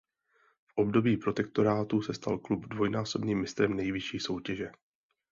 V období protektorátu se stal klub dvojnásobným mistrem nejvyšší soutěže.